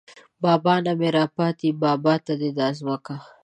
بابا نه مې راپاتې ده بابا ته ده دا ځمکه